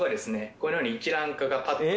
このように一覧化がパッと。